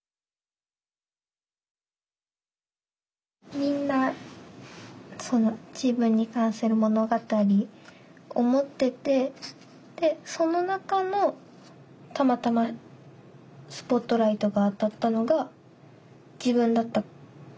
みんな自分に関する物語を持っててその中のたまたまスポットライトが当たったのが自分だった。